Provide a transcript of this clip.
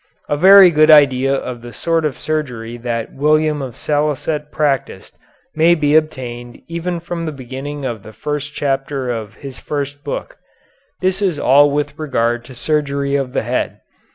A very good idea of the sort of surgery that William of Salicet practised may be obtained even from the beginning of the first chapter of his first book. This is all with regard to surgery of the head.